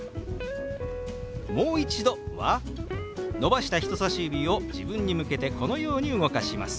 「もう一度」は伸ばした人さし指を自分に向けてこのように動かします。